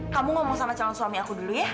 kamu ngomong sama calon suami aku dulu ya